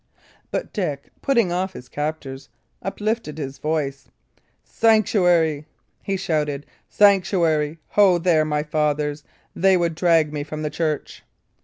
But Dick, putting off his captors, uplifted his voice. "Sanctuary!" he shouted. "Sanctuary! Ho, there, my fathers! They would drag me from the church!"